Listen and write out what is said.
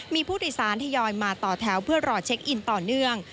มีผู้โดยสารทยอยมาต่อแถวเพื่อรอเช็คอินต่อเนื่อง